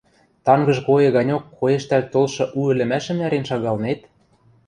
Тангыж коэ ганьок коэштӓлт толшы у ӹлӹмӓшӹм ӓрен шагалнет?